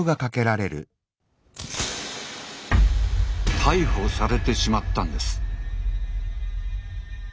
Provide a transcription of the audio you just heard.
逮捕されてしまったんです。